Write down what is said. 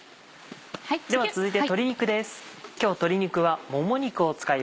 では続いて鶏肉です。